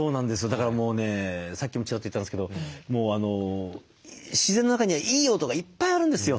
だからもうねさっきもチラッと言ったんですけど自然の中にはいい音がいっぱいあるんですよ。